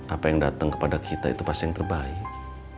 apa yang datang kepada kita itu pasti yang terbaik